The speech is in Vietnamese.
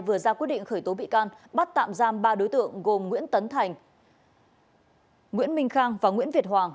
vừa ra quyết định khởi tố bị can bắt tạm giam ba đối tượng gồm nguyễn tấn thành nguyễn minh khang và nguyễn việt hoàng